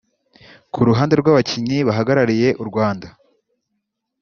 Ku ruhande rw’Abakinnyi bahagarariye u Rwanda